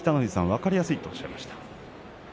分かりやすいとおっしゃいました。